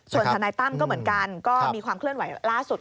ส่วนทนายตั้มก็เหมือนกันก็มีความเคลื่อนไหวล่าสุด